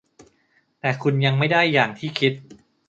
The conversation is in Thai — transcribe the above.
แต่คุณยังไม่ได้อย่างที่คิด